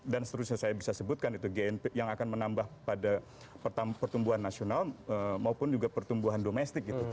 dan seterusnya saya bisa sebutkan itu gmp yang akan menambah pada pertumbuhan nasional maupun juga pertumbuhan domestik gitu